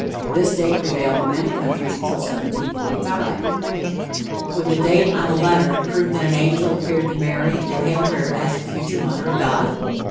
This date prevailed in many countries until 1745. Would the date on a letter prove that an angel appeared to Mary and hailed her as the future Mother of God?